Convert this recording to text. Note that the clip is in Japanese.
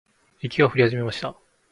雪が降り始めました。